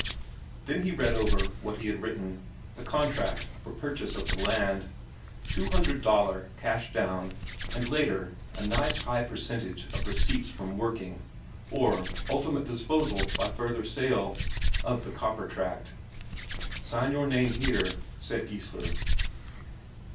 Then he read over what he had written; the contract for purchase of the land. Two hundred Daler cash down, and later, a nice high percentage of receipts from working, or ultimate disposal by further sale, of the copper tract. "Sign your name here," said Geissler.